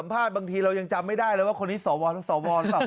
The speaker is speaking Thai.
บางทีเรายังจำไม่ได้เลยว่าคนนี้สวทธิ์สวทธิ์สวทธิ์